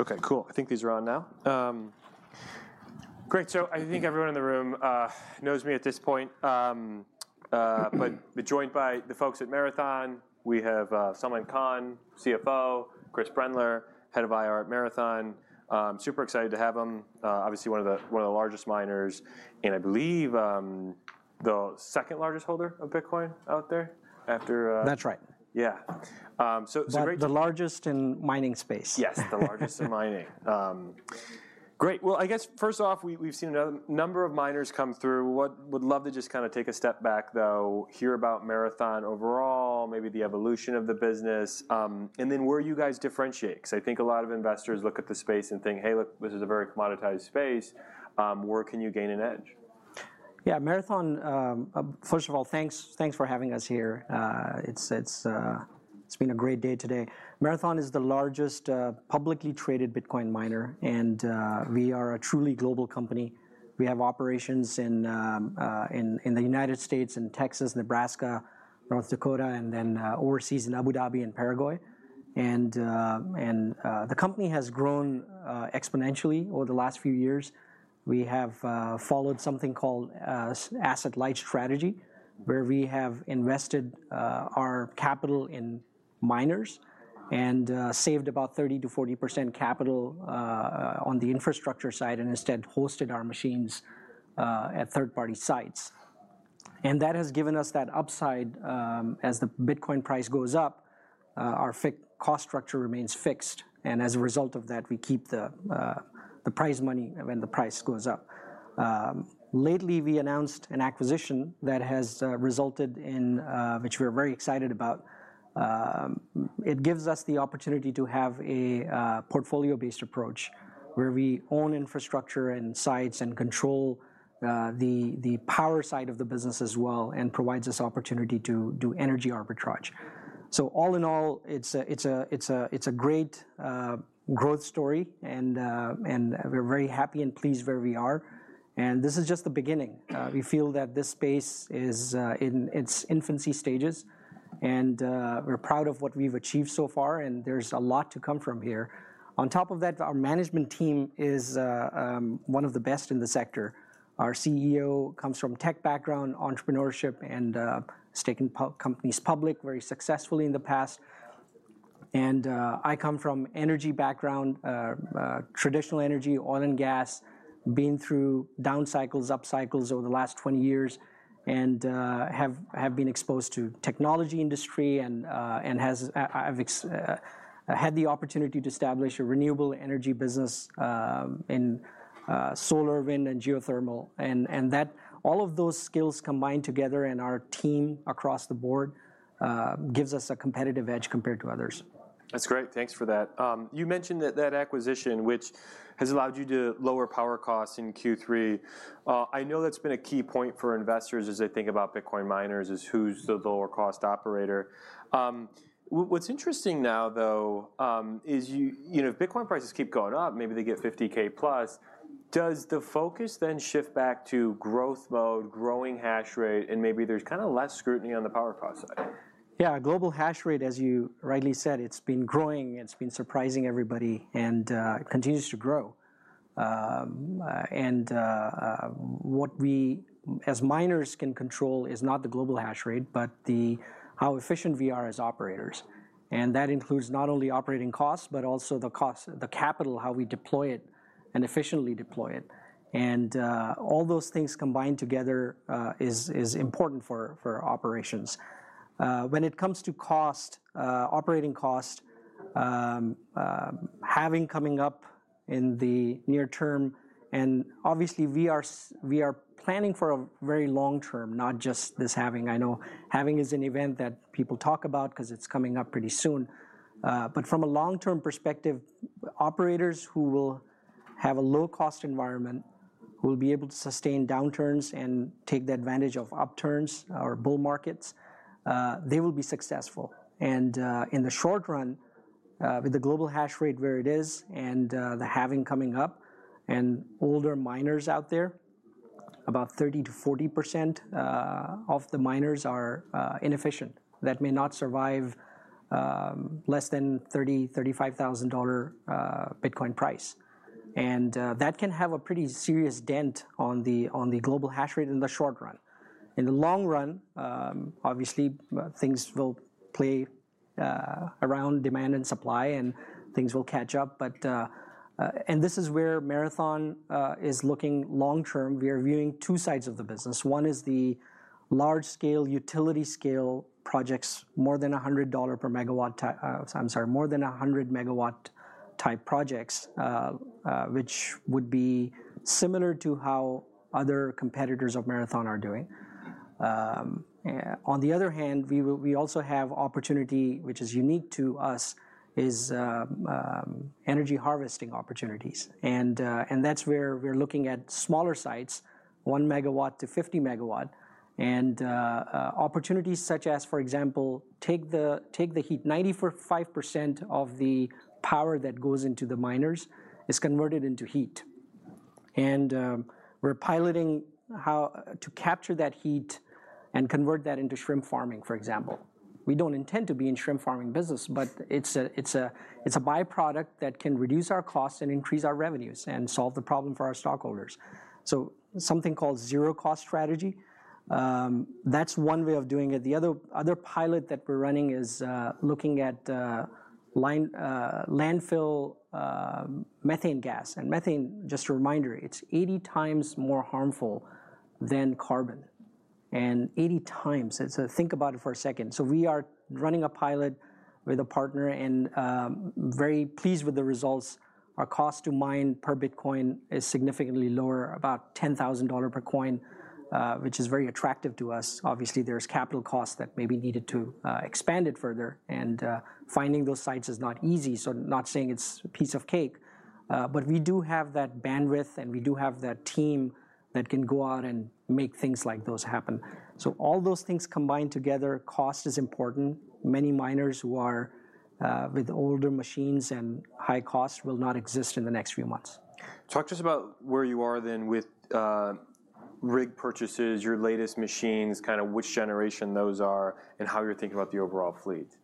Okay, cool. I think these are on now. Great, so I think everyone in the room knows me at this point. But we're joined by the folks at Marathon. We have Salman Khan, CFO, Chris Brendler, head of IR at Marathon. I'm super excited to have them. Obviously, one of the largest miners, and I believe the second largest holder of Bitcoin out there after- That's right. Yeah. So great- The largest in mining space. Yes, the largest in mining. Great. Well, I guess first off, we've seen a number of miners come through. Would love to just kind of take a step back, though, hear about Marathon overall, maybe the evolution of the business, and then where you guys differentiate. Because I think a lot of investors look at the space and think, "Hey, look, this is a very commoditized space," where can you gain an edge? Yeah, Marathon, first of all, thanks, thanks for having us here. It's been a great day today. Marathon is the largest publicly traded Bitcoin miner, and we are a truly global company. We have operations in the United States, in Texas, Nebraska, North Dakota, and then overseas in Abu Dhabi and Paraguay. The company has grown exponentially over the last few years. We have followed something called asset-light strategy, where we have invested our capital in miners and saved about 30%-40% capital on the infrastructure side, and instead hosted our machines at third-party sites. That has given us that upside. As the Bitcoin price goes up, our fixed-cost structure remains fixed, and as a result of that, we keep the prize money when the price goes up. Lately, we announced an acquisition that has resulted in, which we're very excited about. It gives us the opportunity to have a portfolio-based approach, where we own infrastructure and sites and control the power side of the business as well, and provides us opportunity to do energy arbitrage. So all in all, it's a great growth story, and we're very happy and pleased where we are. And this is just the beginning. We feel that this space is in its infancy stages, and we're proud of what we've achieved so far, and there's a lot to come from here. On top of that, our management team is one of the best in the sector. Our CEO comes from tech background, entrepreneurship, and has taken companies public very successfully in the past. And I come from energy background, traditional energy, oil and gas, been through down cycles, up cycles over the last 20 years, and I have been exposed to technology industry and I've had the opportunity to establish a renewable energy business in solar, wind, and geothermal. And that, all of those skills combined together and our team across the board gives us a competitive edge compared to others. That's great. Thanks for that. You mentioned that that acquisition, which has allowed you to lower power costs in Q3. I know that's been a key point for investors as they think about Bitcoin miners, is who's the lower cost operator. What's interesting now, though, is you know, if Bitcoin prices keep going up, maybe they get $50,000+, does the focus then shift back to growth mode, growing hash rate, and maybe there's kind of less scrutiny on the power cost side? Yeah, global hash rate, as you rightly said, it's been growing, it's been surprising everybody, and continues to grow. What we as miners can control is not the global hash rate, but how efficient we are as operators. And that includes not only operating costs, but also the cost, the capital, how we deploy it and efficiently deploy it. And all those things combined together is important for our operations. When it comes to cost, operating cost having coming up in the near term, and obviously we are planning for a very long term, not just this halving. I know halving is an event that people talk about because it's coming up pretty soon. But from a long-term perspective, operators who will have a low-cost environment will be able to sustain downturns and take the advantage of upturns or bull markets, they will be successful. In the short run, with the global hash rate where it is and the halving coming up, and older miners out there, about 30%-40% of the miners are inefficient. That may not survive less than $30,000-$35,000 Bitcoin price. And that can have a pretty serious dent on the global hash rate in the short run. In the long run, obviously, things will play around demand and supply, and things will catch up, and this is where Marathon is looking long term. We are viewing two sides of the business. One is the large-scale, utility-scale projects, more than $100 per MW, I'm sorry, more than 100-MW-type projects, which would be similar to how other competitors of Marathon are doing. On the other hand, we also have opportunity, which is unique to us, energy harvesting opportunities. And that's where we're looking at smaller sites, 1 MW-50 MW, opportunities such as, for example, take the heat. 94.5% of the power that goes into the miners is converted into heat... and we're piloting how to capture that heat and convert that into shrimp farming, for example. We don't intend to be in shrimp farming business, but it's a by-product that can reduce our costs and increase our revenues and solve the problem for our stockholders. So something called zero cost strategy, that's one way of doing it. The other pilot that we're running is looking at landfill methane gas. And methane, just a reminder, it's 80 times more harmful than carbon, and 80 times, so think about it for a second. So we are running a pilot with a partner and very pleased with the results. Our cost to mine per bitcoin is significantly lower, about $10,000 per coin, which is very attractive to us. Obviously, there's capital costs that may be needed to expand it further, and finding those sites is not easy, so not saying it's a piece of cake. But we do have that bandwidth, and we do have that team that can go out and make things like those happen. So all those things combined together, cost is important. Many miners who are with older machines and high costs will not exist in the next few months. Talk to us about where you are then with rig purchases, your latest machines, kind of which generation those are, and how you're thinking about the overall fleet.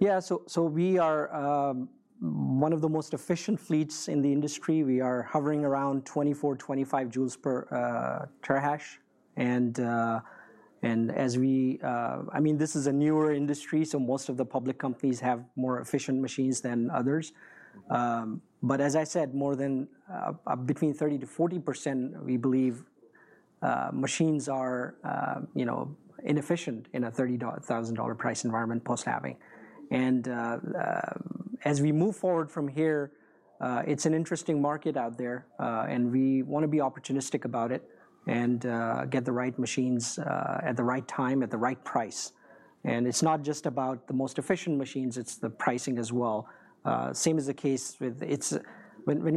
Yeah. So we are one of the most efficient fleets in the industry. We are hovering around 24-25 joules per terahash. I mean, this is a newer industry, so most of the public companies have more efficient machines than others. But as I said, more than between 30%-40%, we believe, machines are, you know, inefficient in a $30,000 price environment post-halving. As we move forward from here, it's an interesting market out there, and we wanna be opportunistic about it and get the right machines at the right time, at the right price. And it's not just about the most efficient machines, it's the pricing as well. Same is the case with when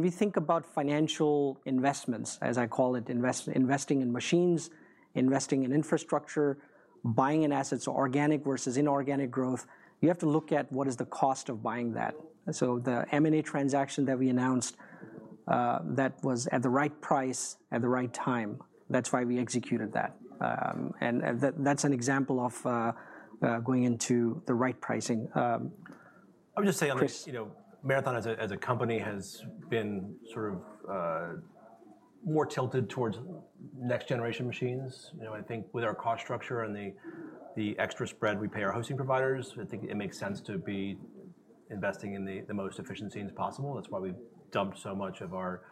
we think about financial investments, as I call it, investing in machines, investing in infrastructure, buying assets, organic versus inorganic growth. You have to look at what is the cost of buying that. So the M&A transaction that we announced, that was at the right price, at the right time. That's why we executed that. And that's an example of going into the right pricing. I would just say, like- Chris?... you know, Marathon as a, as a company, has been sort of, more tilted towards next-generation machines. You know, I think with our cost structure and the, the extra spread we pay our hosting providers, I think it makes sense to be investing in the, the most efficient machines possible. That's why we've dumped so much of our,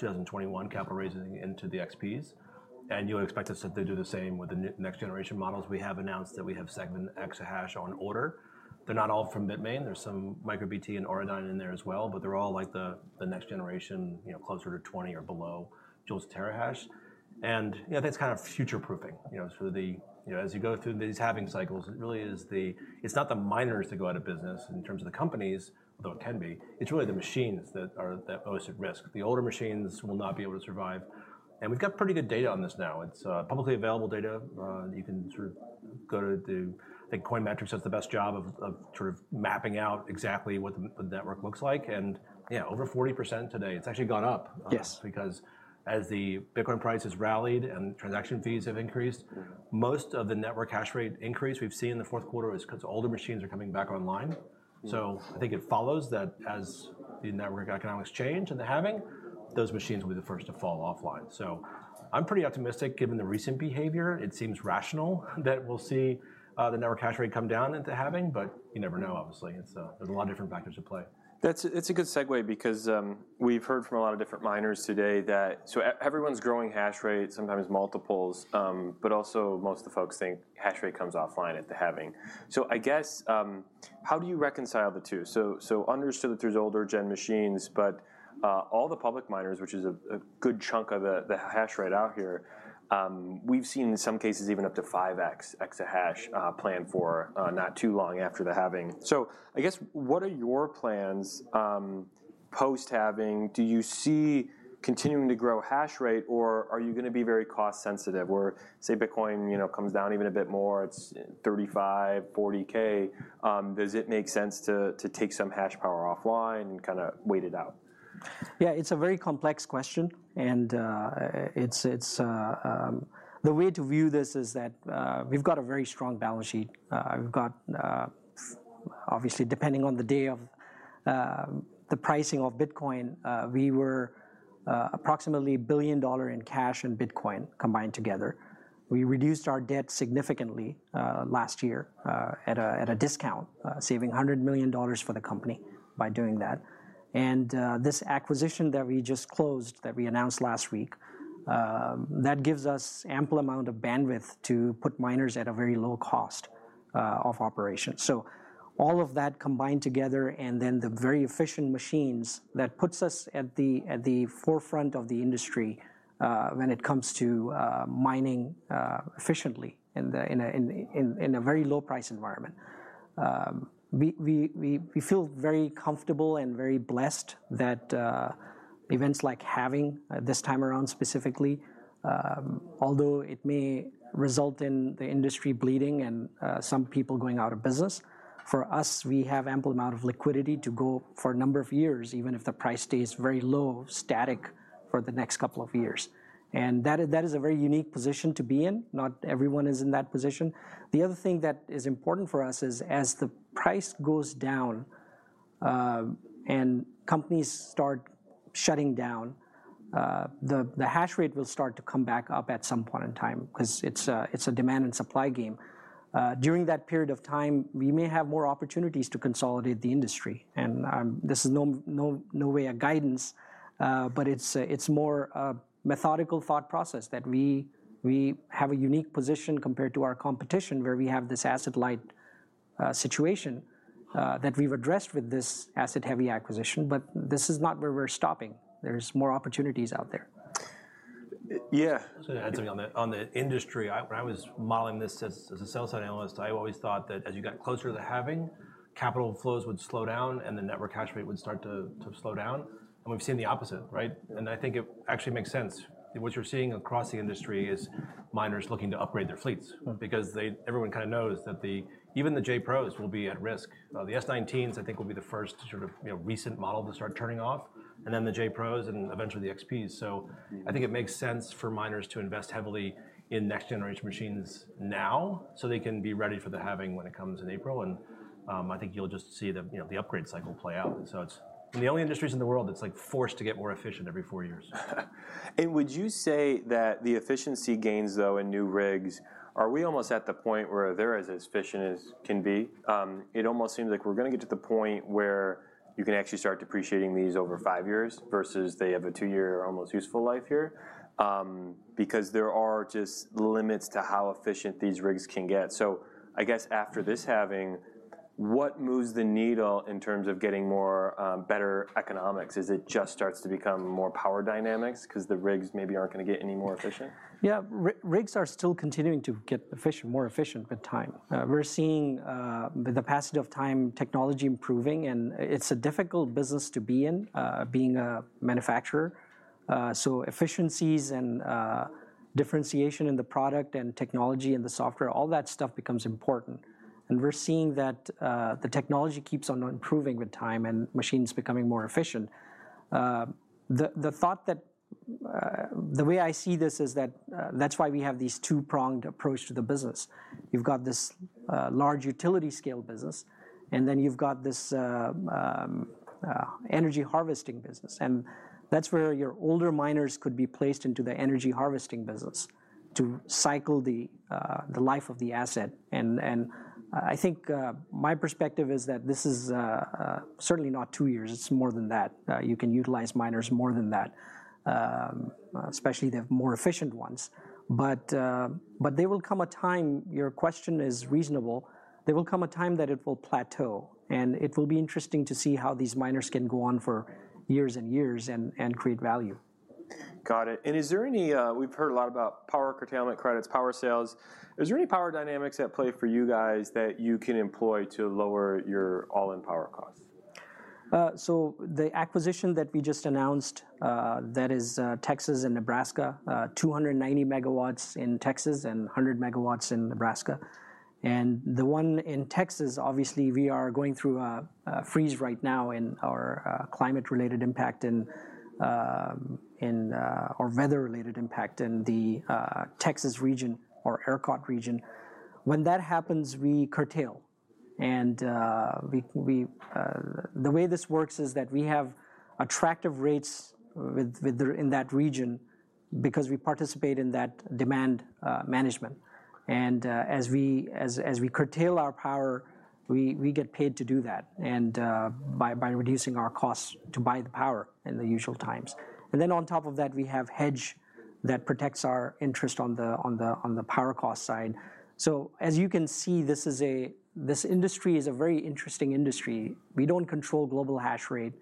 2021 capital raising into the XPs, and you'll expect us to do the same with the next-generation models. We have announced that we have seven exahash on order. They're not all from Bitmain. There's some MicroBT and Canaan in there as well, but they're all like the, the next generation, you know, closer to 20 or below joules terahash. And, you know, that's kind of future-proofing, you know, so the... You know, as you go through these halving cycles, it really is- it's not the miners that go out of business in terms of the companies, though it can be, it's really the machines that are- that are most at risk. The older machines will not be able to survive, and we've got pretty good data on this now. It's publicly available data. You can sort of go to the- I think Coin Metrics does the best job of sort of mapping out exactly what the network looks like. And yeah, over 40% today, it's actually gone up- Yes... because as the Bitcoin price has rallied and transaction fees have increased, most of the network hash rate increase we've seen in the fourth quarter is 'cause older machines are coming back online. So I think it follows that as the network economics change in the halving, those machines will be the first to fall offline. So I'm pretty optimistic, given the recent behavior. It seems rational that we'll see the network hash rate come down into the halving, but you never know, obviously. So there's a lot of different factors at play. That's. It's a good segue because, we've heard from a lot of different miners today that... So everyone's growing hash rate, sometimes multiples, but also most of the folks think hash rate comes offline at the halving. So I guess, how do you reconcile the two? So, understood that there's older gen machines, but, all the public miners, which is a good chunk of the hash rate out here, we've seen in some cases even up to 5x exahash planned for not too long after the halving. So I guess, what are your plans post halving? Do you see continuing to grow hash rate, or are you gonna be very cost sensitive, where, say, Bitcoin, you know, comes down even a bit more, it's $35K-$40K, does it make sense to take some hash power offline and kinda wait it out? Yeah, it's a very complex question, and it's... The way to view this is that, we've got a very strong balance sheet. We've got, obviously, depending on the day of, the pricing of Bitcoin, we were, approximately $1 billion in cash and Bitcoin combined together. We reduced our debt significantly, last year, at a discount, saving $100 million for the company by doing that. And, this acquisition that we just closed, that we announced last week, that gives us ample amount of bandwidth to put miners at a very low cost, of operation. So all of that combined together, and then the very efficient machines, that puts us at the forefront of the industry when it comes to mining efficiently in a very low price environment. We feel very comfortable and very blessed that events like halving this time around specifically, although it may result in the industry bleeding and some people going out of business, for us, we have ample amount of liquidity to go for a number of years, even if the price stays very low, static for the next couple of years, and that is a very unique position to be in. Not everyone is in that position. The other thing that is important for us is, as the price goes down and companies start shutting down, the hash rate will start to come back up at some point in time, 'cause it's a demand and supply game. During that period of time, we may have more opportunities to consolidate the industry, and this is no way a guidance, but it's more a methodical thought process that we have a unique position compared to our competition, where we have this asset-light situation that we've addressed with this asset-heavy acquisition, but this is not where we're stopping. There's more opportunities out there. Yeah. Just to add something on the industry. When I was modeling this as a sell-side analyst, I always thought that as you got closer to the halving, capital flows would slow down, and the network hash rate would start to slow down, and we've seen the opposite, right? And I think it actually makes sense. What you're seeing across the industry is miners looking to upgrade their fleets- Mm. because they... Everyone kind of knows that the, even the J Pros will be at risk. The S19s, I think, will be the first to sort of, you know, recent model to start turning off, and then the J Pros, and eventually the XPs. Mm. So I think it makes sense for miners to invest heavily in next-generation machines now, so they can be ready for the halving when it comes in April. And, I think you'll just see the, you know, the upgrade cycle play out. So it's the only industries in the world that's, like, forced to get more efficient every four years. Would you say that the efficiency gains, though, in new rigs, are we almost at the point where they're as efficient as can be? It almost seems like we're gonna get to the point where you can actually start depreciating these over 5 years versus they have a 2-year almost useful life here, because there are just limits to how efficient these rigs can get. So I guess after this halving, what moves the needle in terms of getting more, better economics? Is it just starts to become more power dynamics, 'cause the rigs maybe aren't gonna get any more efficient? Yeah. Rigs are still continuing to get efficient, more efficient with time. We're seeing the passage of time, technology improving, and it's a difficult business to be in, being a manufacturer. So efficiencies and differentiation in the product, and technology and the software, all that stuff becomes important, and we're seeing that the technology keeps on improving with time and machines becoming more efficient. The thought that... The way I see this is that that's why we have these two-pronged approach to the business. You've got this large utility scale business, and then you've got this energy harvesting business, and that's where your older miners could be placed into the energy harvesting business to cycle the life of the asset. And I think my perspective is that this is certainly not two years, it's more than that. You can utilize miners more than that, especially the more efficient ones. But there will come a time, your question is reasonable, there will come a time that it will plateau, and it will be interesting to see how these miners can go on for years and years and create value. Got it. And is there any... We've heard a lot about power curtailment credits, power sales. Is there any power dynamics at play for you guys that you can employ to lower your all-in power costs? So the acquisition that we just announced, that is, Texas and Nebraska, 290 MW in Texas and 100 MW in Nebraska. And the one in Texas, obviously, we are going through a freeze right now in our climate-related impact and or weather-related impact in the Texas region or ERCOT region. When that happens, we curtail, and we... The way this works is that we have attractive rates with the in that region because we participate in that demand management. And as we curtail our power, we get paid to do that, and by reducing our costs to buy the power in the usual times. And then on top of that, we have hedge that protects our interest on the power cost side. So as you can see, this is a very interesting industry. We don't control global hash rate,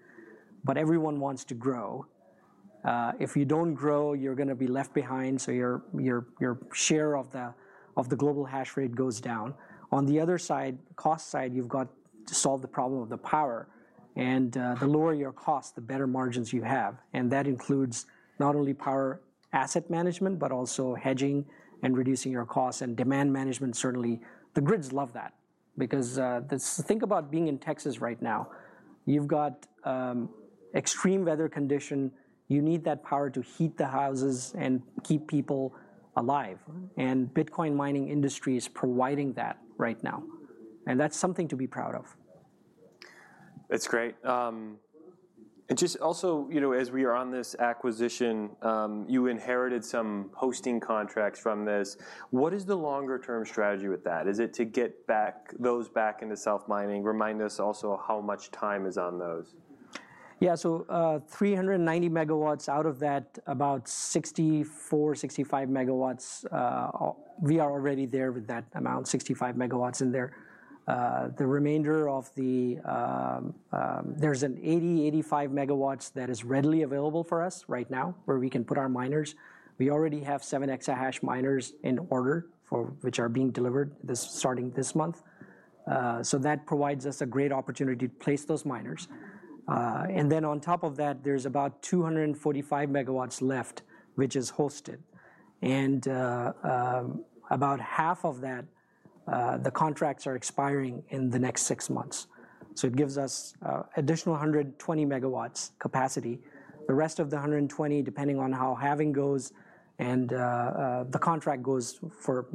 but everyone wants to grow. If you don't grow, you're gonna be left behind, so your share of the global hash rate goes down. On the other side, cost side, you've got to solve the problem of the power, and the lower your cost, the better margins you have, and that includes not only power asset management but also hedging and reducing your costs, and demand management, certainly. The grids love that because, think about being in Texas right now. You've got extreme weather condition. You need that power to heat the houses and keep people alive, and Bitcoin mining industry is providing that right now, and that's something to be proud of. That's great. And just also, you know, as we are on this acquisition, you inherited some hosting contracts from this. What is the longer-term strategy with that? Is it to get those back into self-mining? Remind us also how much time is on those. Yeah, so, 390 MW, out of that, about 64-65 MW, we are already there with that amount, 65 MW in there. The remainder of the, there's an 80-85 MW that is readily available for us right now, where we can put our miners. We already have seven S19 XP miners on order, which are being delivered starting this month. So that provides us a great opportunity to place those miners. And then on top of that, there's about 245 MW left, which is hosted, and about half of that, the contracts are expiring in the next six months. So it gives us additional 120 MW capacity. The rest of the 120, depending on how Halving goes, and the contract goes for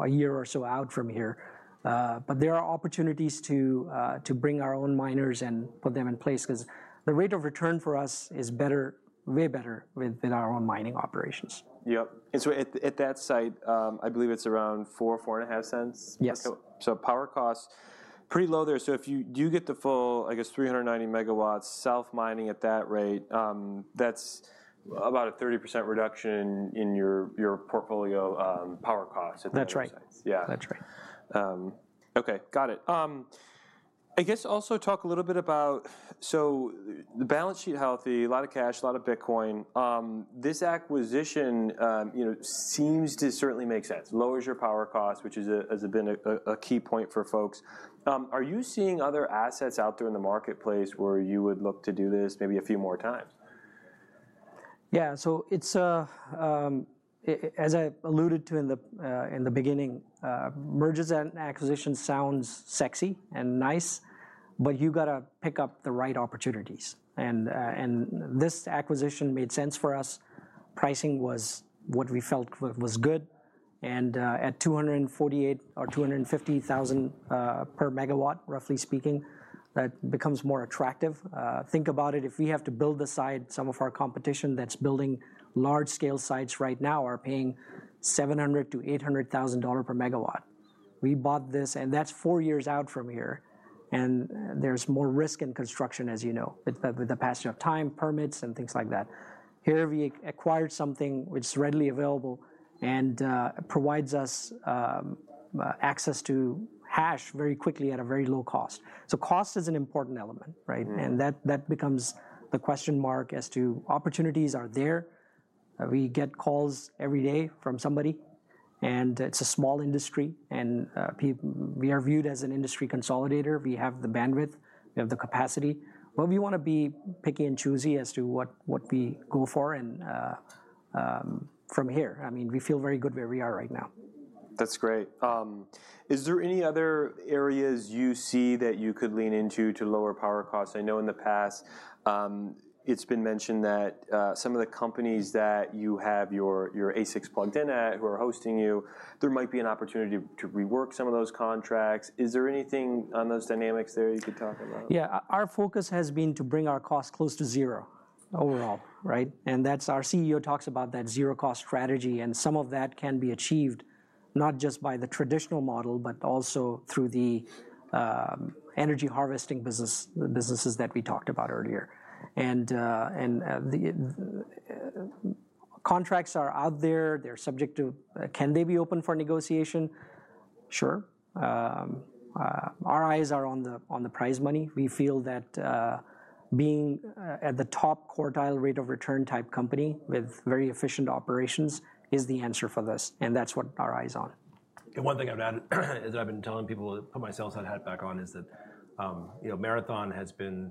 a year or so out from here. But there are opportunities to bring our own miners and put them in place, 'cause the rate of return for us is better, way better with our own mining operations. Yep. And so at that site, I believe it's around $0.04-$0.045? Yes. So power costs pretty low there. So if you do get the full, I guess, 390 MW self-mining at that rate, that's about a 30% reduction in your, your portfolio power costs if that makes sense. That's right. Yeah. That's right. Okay, got it. I guess also talk a little bit about so the balance sheet healthy, a lot of cash, a lot of Bitcoin. This acquisition, you know, seems to certainly make sense. Lowers your power cost, which has been a key point for folks. Are you seeing other assets out there in the marketplace where you would look to do this maybe a few more times? Yeah. So it's... As I alluded to in the, in the beginning, mergers and acquisitions sounds sexy and nice, but you've got to pick up the right opportunities. And this acquisition made sense for us. Pricing was what we felt was good, and at $248,000 or $250,000 per megawatt, roughly speaking, that becomes more attractive. Think about it. If we have to build the site, some of our competition that's building large-scale sites right now are paying $700,000-$800,000 per megawatt. We bought this, and that's four years out from here, and there's more risk in construction, as you know, with the passage of time, permits, and things like that. Here we acquired something which is readily available and provides us access to hash very quickly at a very low cost. So cost is an important element, right? Mm. And that, that becomes the question mark as to opportunities are there. We get calls every day from somebody, and it's a small industry, and we are viewed as an industry consolidator. We have the bandwidth, we have the capacity, but we wanna be picky and choosy as to what, what we go for and from here. I mean, we feel very good where we are right now. That's great. Is there any other areas you see that you could lean into to lower power costs? I know in the past, it's been mentioned that, some of the companies that you have your, your ASICs plugged in at, who are hosting you, there might be an opportunity to, to rework some of those contracts. Is there anything on those dynamics there you could talk about? Yeah. Our focus has been to bring our costs close to zero overall, right? Mm. That's our CEO talks about that zero-cost strategy, and some of that can be achieved not just by the traditional model, but also through the energy harvesting business, the businesses that we talked about earlier. And the contracts are out there. They're subject to... Can they be open for negotiation? Sure. Our eyes are on the prize money. We feel that being at the top quartile rate of return type company with very efficient operations is the answer for this, and that's what our eyes on. One thing I'd add is I've been telling people, put my sales hat back on, is that, you know, Marathon has been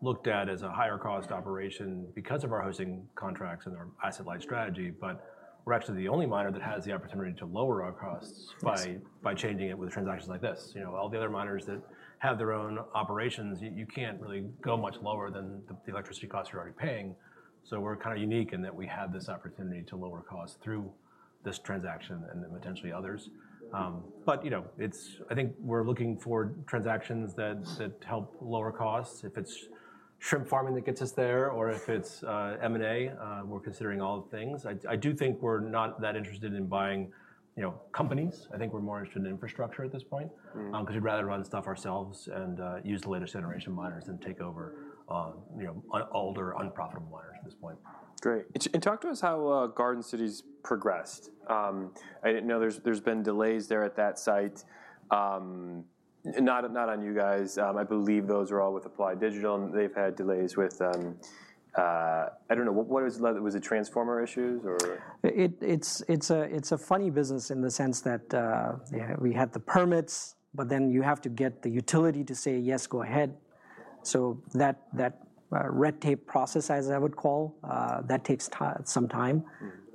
looked at as a higher cost operation because of our hosting contracts and our asset light strategy, but we're actually the only miner that has the opportunity to lower our costs- Yes... by changing it with transactions like this. You know, all the other miners that have their own operations, you can't really go much lower than the electricity costs you're already paying. So we're kind of unique in that we have this opportunity to lower costs through this transaction and then potentially others. But, you know, it's- I think we're looking for transactions that help lower costs. If it's shrimp farming that gets us there, or if it's M&A, we're considering all the things. I do think we're not that interested in buying, you know, companies. I think we're more interested in infrastructure at this point- Mm... because we'd rather run stuff ourselves and use the latest generation miners than take over, you know, older, unprofitable miners at this point. Great. And talk to us how Garden City's progressed. I know there's been delays there at that site. Not on you guys. I believe those are all with Applied Digital, and they've had delays with. I don't know. What was the? Was it transformer issues or? It's a funny business in the sense that, yeah, we had the permits, but then you have to get the utility to say: "Yes, go ahead." So that red tape process, as I would call, that takes time, some time.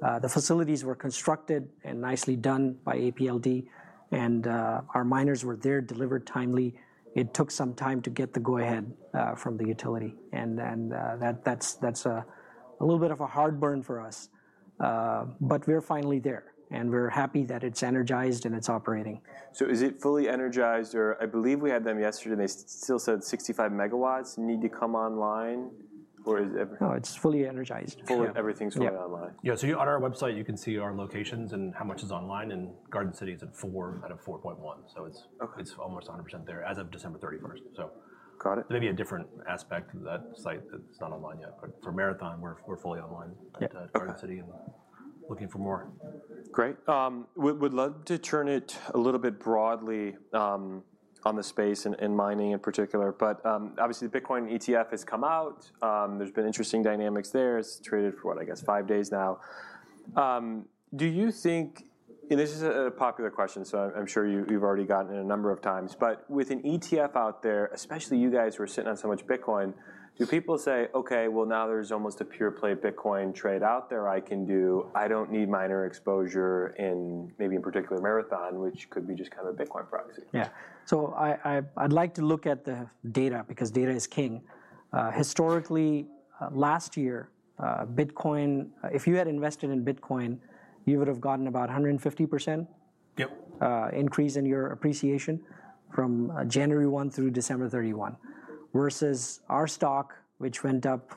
Mm. The facilities were constructed and nicely done by APLD, and our miners were there, delivered timely. It took some time to get the go-ahead from the utility, and then that's a little bit of a hard burn for us. But we're finally there, and we're happy that it's energized and it's operating. So is it fully energized or... I believe we had them yesterday, and they still said 65 MW need to come online, or is ev- No, it's fully energized. Fully. Everything's fully online. Yep. Yeah. So on our website, you can see our locations and how much is online, and Garden City is at 4 out of 4.1. So it's- Okay... it's almost 100% there as of December 31st. So- Got it... maybe a different aspect of that site that's not online yet. But for Marathon, we're fully online- Yeah... at Garden City and looking for more. Great. Would, would love to turn it a little bit broadly, on the space and, and mining in particular. But, obviously, the Bitcoin ETF has come out. There's been interesting dynamics there. It's traded for what? I guess five days now. Do you think... And this is a, a popular question, so I, I'm sure you, you've already gotten it a number of times. But with an ETF out there, especially you guys who are sitting on so much Bitcoin, do people say, "Okay, well, now there's almost a pure play Bitcoin trade out there I can do. I don't need miner exposure in maybe in particular Marathon," which could be just kind of a Bitcoin proxy? Yeah. So I'd like to look at the data, because data is king. Historically, last year, Bitcoin, if you had invested in Bitcoin, you would've gotten about 150%- Yep... increase in your appreciation from January 1 through December 31, versus our stock, which went up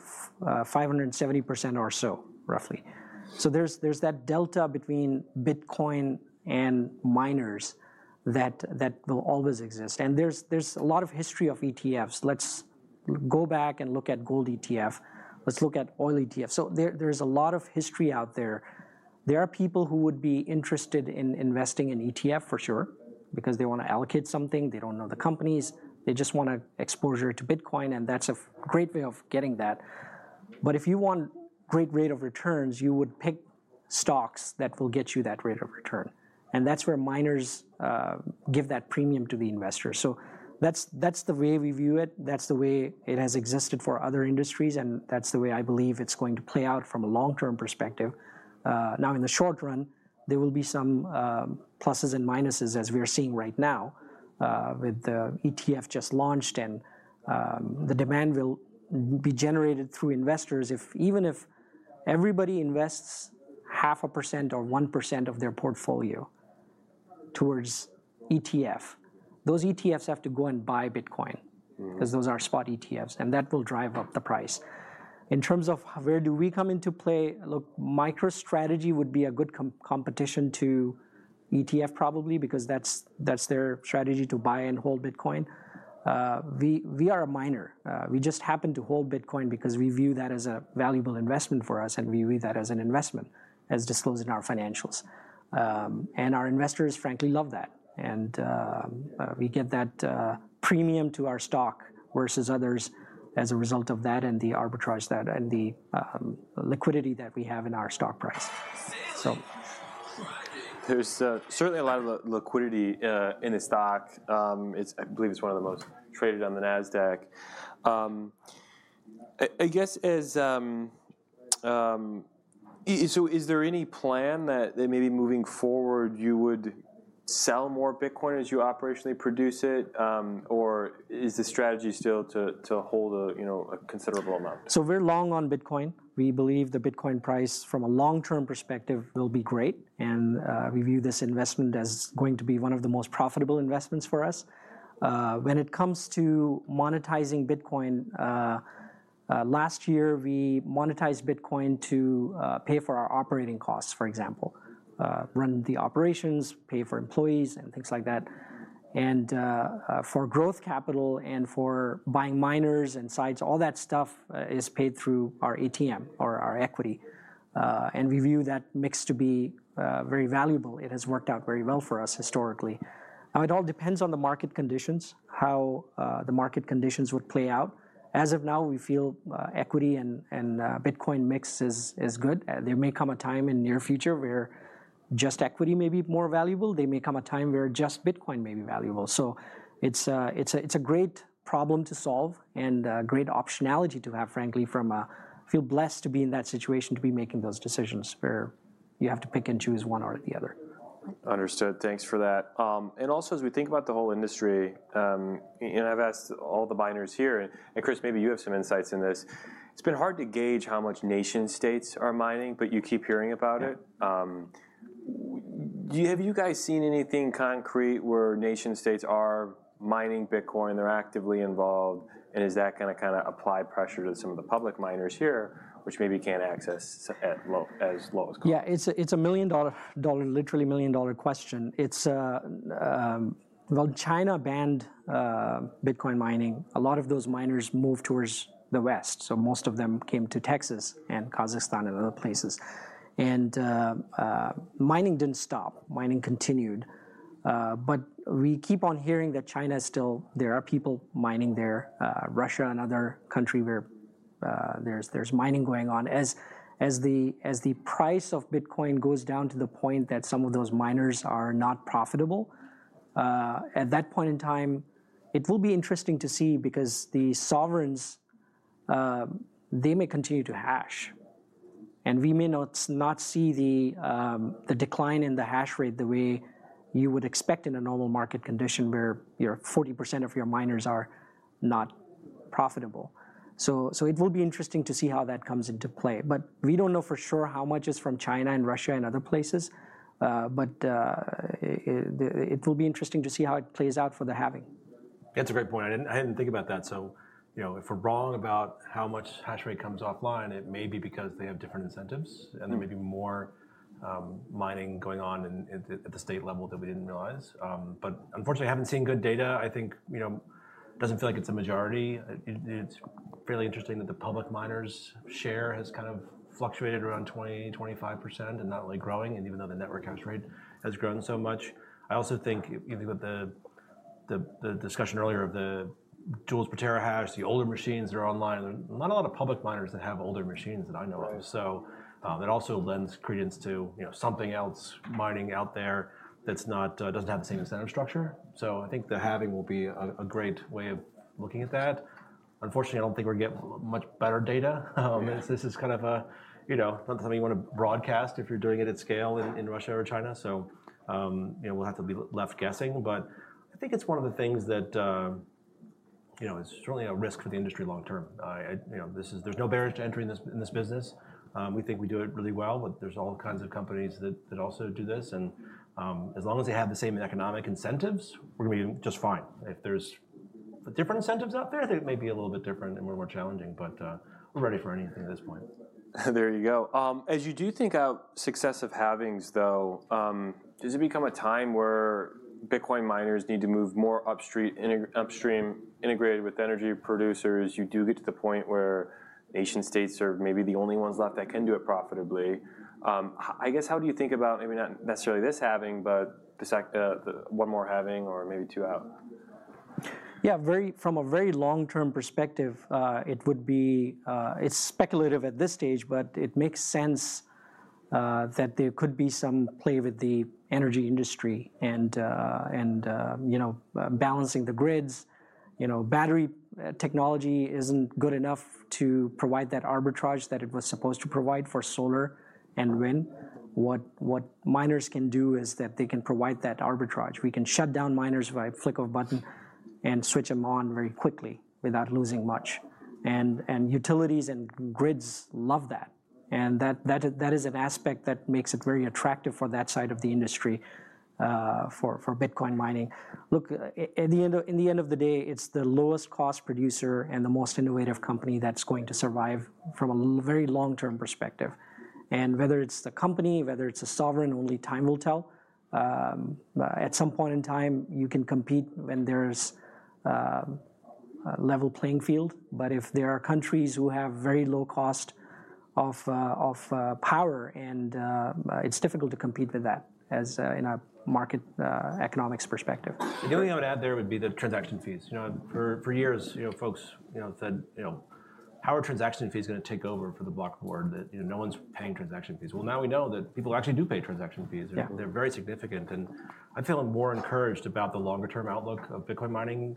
570% or so, roughly. So there's that delta between Bitcoin and miners that will always exist, and there's a lot of history of ETFs. Let's go back and look at gold ETF. Let's look at oil ETF. So there's a lot of history out there. There are people who would be interested in investing in ETF for sure, because they wanna allocate something. They don't know the companies. They just want a exposure to Bitcoin, and that's a great way of getting that. But if you want great rate of returns, you would pick stocks that will get you that rate of return, and that's where miners give that premium to the investor. So that's, that's the way we view it, that's the way it has existed for other industries, and that's the way I believe it's going to play out from a long-term perspective. Now, in the short run, there will be some, pluses and minuses, as we are seeing right now, with the ETF just launched, and, the demand will be generated through investors. If even if everybody invests 0.5% or 1% of their portfolio towards ETF, those ETFs have to go and buy Bitcoin- Mm... 'cause those are spot ETFs, and that will drive up the price. In terms of where do we come into play, look, MicroStrategy would be a good competition to ETF probably because that's their strategy, to buy and hold Bitcoin. We are a miner. We just happen to hold Bitcoin because we view that as a valuable investment for us, and we view that as an investment, as disclosed in our financials. Our investors frankly love that, and we get that premium to our stock versus others as a result of that and the arbitrage that, and the liquidity that we have in our stock price. So- There's certainly a lot of liquidity in the stock. I believe it's one of the most traded on the Nasdaq. I guess, so is there any plan that maybe moving forward, you would sell more Bitcoin as you operationally produce it? Or is the strategy still to hold a, you know, a considerable amount? So we're long on Bitcoin. We believe the Bitcoin price from a long-term perspective will be great, and we view this investment as going to be one of the most profitable investments for us. When it comes to monetizing Bitcoin, last year, we monetized Bitcoin to pay for our operating costs, for example. Run the operations, pay for employees, and things like that. For growth capital and for buying miners and sites, all that stuff is paid through our ATM or our equity, and we view that mix to be very valuable. It has worked out very well for us historically. It all depends on the market conditions, how the market conditions would play out. As of now, we feel equity and Bitcoin mix is good. There may come a time in near future where just equity may be more valuable. There may come a time where just Bitcoin may be valuable. So it's a great problem to solve and great optionality to have, frankly. I feel blessed to be in that situation, to be making those decisions where you have to pick and choose one or the other. Understood. Thanks for that. And also as we think about the whole industry, and I've asked all the miners here, and Chris, maybe you have some insights in this: It's been hard to gauge how much nation states are mining, but you keep hearing about it. Yeah. Have you guys seen anything concrete where nation states are mining Bitcoin, they're actively involved, and is that gonna kinda apply pressure to some of the public miners here, which maybe can't access at low, as low as cost? Yeah, it's a million-dollar question, literally a million-dollar question. Well, China banned Bitcoin mining. A lot of those miners moved toward the West, so most of them came to Texas and Kazakhstan and other places. Mining didn't stop. Mining continued. But we keep on hearing that China is still, there are people mining there, Russia, another country where there's mining going on. As the price of Bitcoin goes down to the point that some of those miners are not profitable, at that point in time, it will be interesting to see, because the sovereigns, they may continue to hash, and we may not see the decline in the hash rate the way you would expect in a normal market condition, where 40% of your miners are not profitable. So, it will be interesting to see how that comes into play, but we don't know for sure how much is from China and Russia and other places. But it will be interesting to see how it plays out for the halving. That's a great point. I hadn't thought about that. So, you know, if we're wrong about how much hash rate comes offline, it may be because they have different incentives- Mm... and there may be more, mining going on in, at the, at the state level that we didn't realize. But unfortunately, I haven't seen good data. I think, you know, doesn't feel like it's a majority. It, it's fairly interesting that the public miners' share has kind of fluctuated around 20%-25% and not really growing, and even though the network hash rate has grown so much. I also think, with the, the discussion earlier of the joules per terahash, the older machines that are online, there are not a lot of public miners that have older machines that I know of. Right. So, that also lends credence to, you know, something else mining out there that's not, doesn't have the same incentive structure. So I think the halving will be a great way of looking at that. Unfortunately, I don't think we're getting much better data. Yeah. This is kind of a, you know, not something you wanna broadcast if you're doing it at scale in, in Russia or China. So, you know, we'll have to be left guessing. But I think it's one of the things that, you know, is certainly a risk for the industry long term. I. You know, there's no barrier to entering this, in this business. We think we do it really well, but there's all kinds of companies that also do this, and, as long as they have the same economic incentives, we're gonna be doing just fine. If there's different incentives out there, I think it may be a little bit different and more challenging, but, we're ready for anything at this point. There you go. As you do think about successive halvings, though, does it become a time where Bitcoin miners need to move more upstream, integrated with energy producers? You do get to the point where nation-states are maybe the only ones left that can do it profitably. I guess, how do you think about maybe not necessarily this halving, but the one more halving or maybe two out? Yeah, from a very long-term perspective, it would be. It's speculative at this stage, but it makes sense that there could be some play with the energy industry and, and, you know, balancing the grids. You know, battery technology isn't good enough to provide that arbitrage that it was supposed to provide for solar and wind. What miners can do is that they can provide that arbitrage. We can shut down miners by a flick of a button and switch them on very quickly without losing much, and utilities and grids love that. And that is an aspect that makes it very attractive for that side of the industry, for Bitcoin mining. Look, in the end of the day, it's the lowest-cost producer and the most innovative company that's going to survive from a very long-term perspective. And whether it's the company, whether it's a sovereign, only time will tell. But at some point in time, you can compete when there's a level playing field. But if there are countries who have very low cost of power, and it's difficult to compete with that, as in a market economics perspective. The only thing I would add there would be the transaction fees. You know, for years, you know, folks, you know, said: "You know, how are transaction fees gonna take over for the block reward? That, you know, no one's paying transaction fees." Well, now we know that people actually do pay transaction fees. Yeah. They're very significant, and I'm feeling more encouraged about the longer-term outlook of Bitcoin mining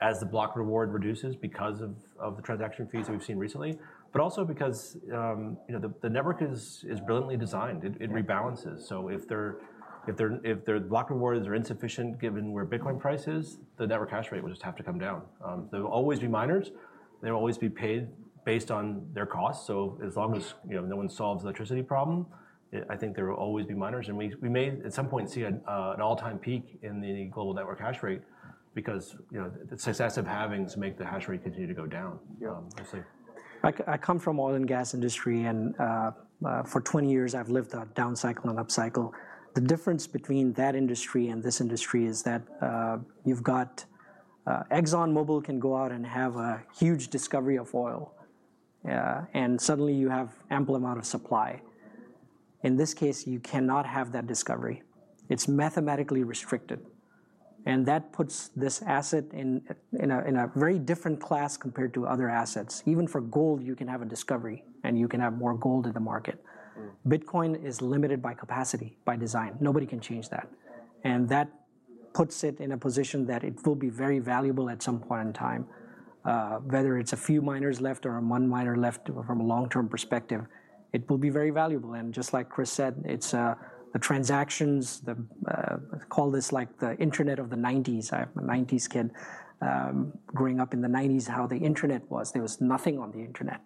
as the block reward reduces because of the transaction fees we've seen recently, but also because, you know, the network is brilliantly designed. Yeah. It rebalances. So if their block rewards are insufficient given where Bitcoin price is, the network hash rate will just have to come down. There will always be miners. They'll always be paid based on their costs, so as long as, you know, no one solves the electricity problem, I think there will always be miners. And we may at some point see an all-time peak in the global network hash rate because, you know, the successive halvings make the hash rate continue to go down. Yeah. Um, so- I come from oil and gas industry, and for 20 years, I've lived a down cycle and up cycle. The difference between that industry and this industry is that you've got ExxonMobil can go out and have a huge discovery of oil, and suddenly you have ample amount of supply. In this case, you cannot have that discovery. It's mathematically restricted, and that puts this asset in a very different class compared to other assets. Even for gold, you can have a discovery, and you can have more gold in the market. Mm. Bitcoin is limited by capacity, by design. Nobody can change that, and that puts it in a position that it will be very valuable at some point in time. Whether it's a few miners left or one miner left, from a long-term perspective, it will be very valuable. And just like Chris said, it's the transactions. Call this like the internet of the '90s. I'm a '90s kid. Growing up in the '90s, how the internet was, there was nothing on the internet,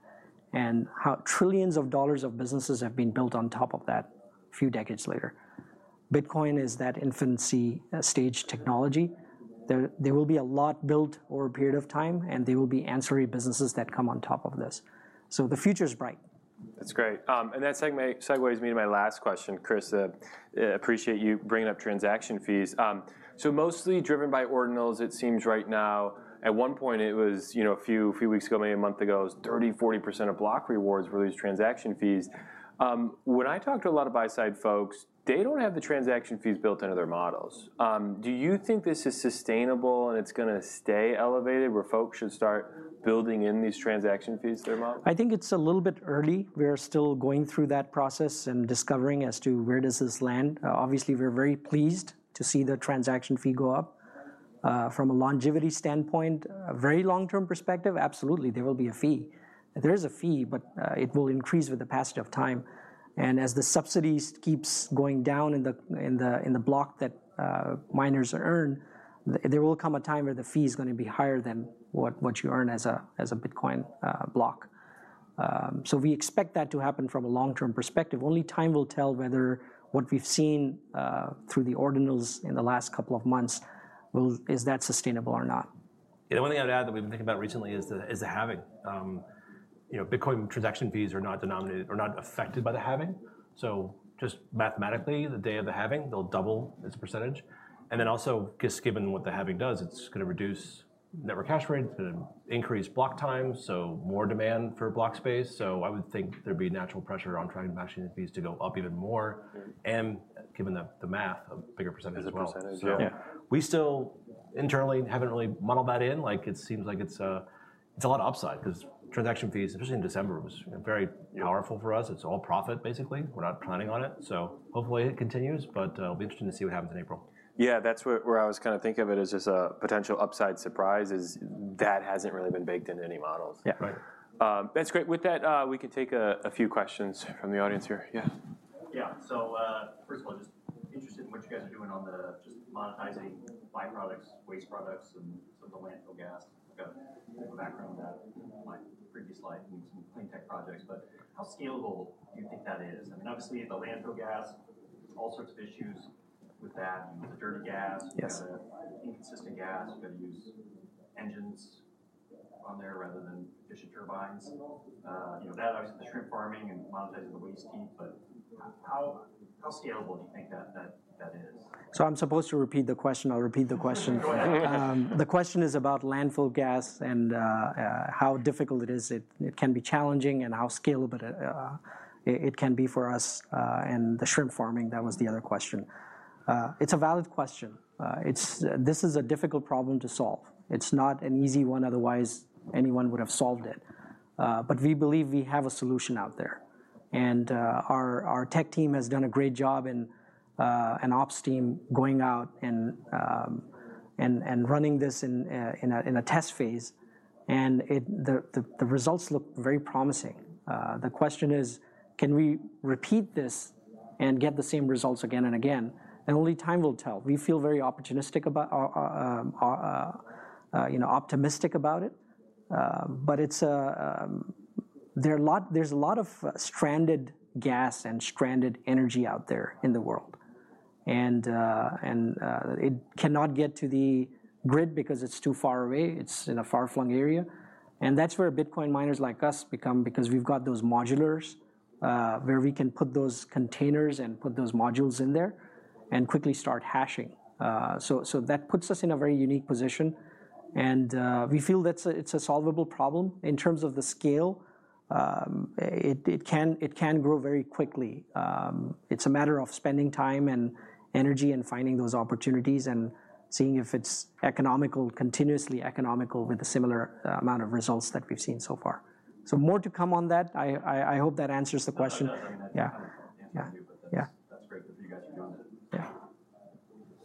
and how trillions of dollars of businesses have been built on top of that a few decades later. Bitcoin is that infancy stage technology. There will be a lot built over a period of time, and there will be ancillary businesses that come on top of this. So the future is bright. That's great. And that segues me to my last question. Chris, appreciate you bringing up transaction fees. So mostly driven by Ordinals, it seems right now. At one point, you know, a few weeks ago, maybe a month ago, it was 30%-40% of block rewards were these transaction fees. When I talk to a lot of buy-side folks, they don't have the transaction fees built into their models. Do you think this is sustainable, and it's gonna stay elevated, where folks should start building in these transaction fees to their model? I think it's a little bit early. We're still going through that process and discovering as to where does this land. Obviously, we're very pleased to see the transaction fee go up. From a longevity standpoint, a very long-term perspective, absolutely, there will be a fee. There is a fee, but it will increase with the passage of time. And as the subsidies keeps going down in the, in the, in the block that miners earn, there will come a time where the fee is gonna be higher than what you earn as a Bitcoin block. So we expect that to happen from a long-term perspective. Only time will tell whether what we've seen through the Ordinals in the last couple of months will is that sustainable or not? The only thing I'd add that we've been thinking about recently is the halving. You know, Bitcoin transaction fees are not denominated, or not affected by the halving. So just mathematically, the day of the halving, they'll double as a percentage. And then also, just given what the halving does, it's gonna reduce network hash rate, it's gonna increase block time, so more demand for block space. So I would think there'd be natural pressure on transaction fees to go up even more, and given the math, a bigger percentage as well. As a percentage. Yeah. We still internally haven't really modeled that in. Like, it seems like it's, it's a lot of upside- Yeah 'Cause transaction fees, especially in December, it was very powerful for us. It's all profit, basically. We're not planning on it, so hopefully it continues. But it'll be interesting to see what happens in April. Yeah, that's where I was kinda thinking of it as just a potential upside surprise is that hasn't really been baked into any models. Yeah. Right. That's great. With that, we can take a few questions from the audience here. Yeah? Yeah. So, first of all, just interested in what you guys are doing on the just monetizing byproducts, waste products, and some of the landfill gas. I've got a background in that in my previous life, doing some clean tech projects. But how scalable do you think that is? I mean, obviously, the landfill gas, all sorts of issues with that. You get the dirty gas- Yes. You got the inconsistent gas. You've got to use engines on there rather than efficient turbines. You know that obviously, the shrimp farming and monetizing the waste heat, but how scalable do you think that is? I'm supposed to repeat the question. I'll repeat the question. Go ahead. The question is about landfill gas and how difficult it is. It can be challenging, and how scalable it can be for us, and the shrimp farming, that was the other question. It's a valid question. This is a difficult problem to solve. It's not an easy one, otherwise, anyone would have solved it. But we believe we have a solution out there, and our tech team has done a great job, and ops team going out and running this in a test phase, and the results look very promising. The question is, can we repeat this and get the same results again and again? And only time will tell. We feel very opportunistic about our, you know, optimistic about it. But it's a, there are a lot—there's a lot of stranded gas and stranded energy out there in the world, and it cannot get to the grid because it's too far away. It's in a far-flung area. And that's where Bitcoin miners like us become, because we've got those modulars, where we can put those containers and put those modules in there and quickly start hashing. So that puts us in a very unique position, and we feel that's a, it's a solvable problem in terms of the scale. It can grow very quickly. It's a matter of spending time and energy, and finding those opportunities, and seeing if it's economical, continuously economical, with a similar amount of results that we've seen so far. So more to come on that. I hope that answers the question. Yeah, yeah. Yeah.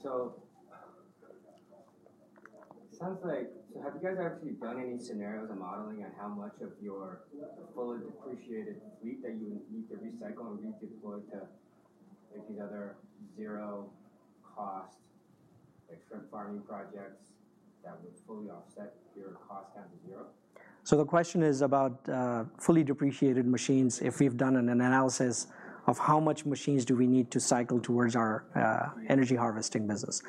So have you guys actually done any scenarios or modeling on how much of your fully depreciated fleet that you would need to recycle and redeploy to make these other zero-cost, like, shrimp farming projects that would fully offset your cost down to zero? So the question is about fully depreciated machines, if we've done an analysis of how much machines do we need to cycle towards our energy harvesting business.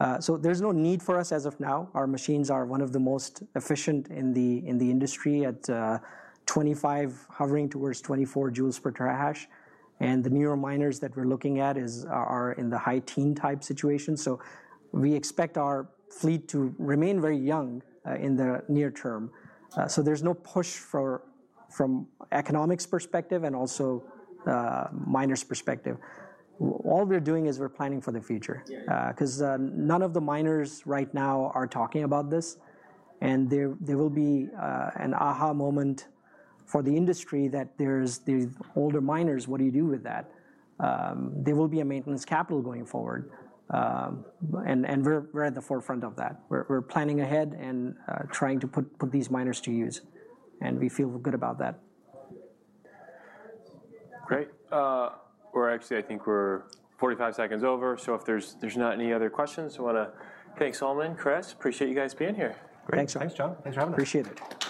Yeah. There's no need for us as of now. Our machines are one of the most efficient in the industry at 25, hovering towards 24 joules per terahash, and the newer miners that we're looking at are in the high teen type situation. So we expect our fleet to remain very young in the near term. There's no push for from economics perspective and also miners perspective. All we're doing is we're planning for the future. Yeah. 'Cause none of the miners right now are talking about this, and there will be an aha moment for the industry that there's these older miners, what do you do with that? There will be a maintenance capital going forward, but and we're at the forefront of that. We're planning ahead and trying to put these miners to use, and we feel good about that. Great. We're actually, I think we're 45 seconds over, so if there's not any other questions, I wanna thank Salman, Chris. Appreciate you guys being here. Great. Thanks, John. Thanks for having us. Appreciate it.